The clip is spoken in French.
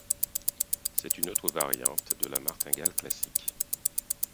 C'est une autre variante de la martingale classique.